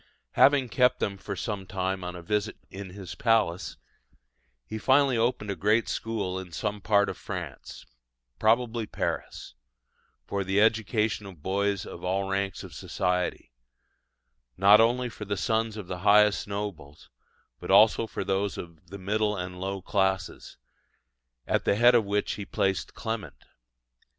Having kept them for some time on a visit in his palace, he finally opened a great school in some part of France probably Paris for the education of boys of all ranks of society, not only for the sons of the highest nobles, but also for those of the middle and low classes, at the head of which he placed Clement.